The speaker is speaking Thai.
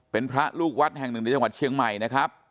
เป็นพระลูกวัดแห่งหนึ่งในจังหวัดเชียงใหม่นะครับ